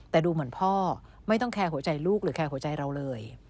แต่ดูเหมือนพ่อไม่ต้องแคร์หัวใจลูกหรือแคร์หัวใจเราเลย